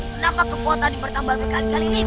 kenapa kekuatan ini bertambah berkali kali lipat